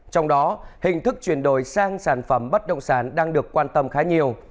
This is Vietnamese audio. trong đó hình thức chuyển đổi sang sản phẩm bất động sản đang được quan tâm khá nhiều